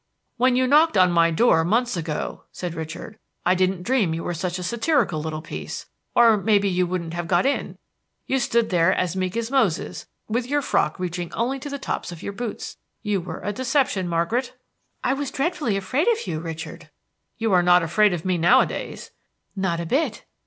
"_ "When you knocked at my door, months ago," said Richard, "I didn't dream you were such a satirical little piece, or may be you wouldn't have got in. You stood there as meek as Moses, with your frock reaching only to the tops of your boots. You were a deception, Margaret." "I was dreadfully afraid of you, Richard." "You are not afraid of me nowadays." "Not a bit."